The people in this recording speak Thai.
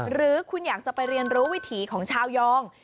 หรือคุณอยากจะไปเรียนรู้วิถีของชาวยอง